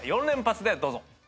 ４連発でどうぞ。